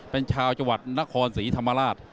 เป็นชาวจังหวัดนครศรีธรรมราช